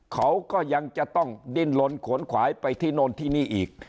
เขาก็ยังจะต้องดิ้นลนขวนขวายไปที่โน่นที่นี่อีก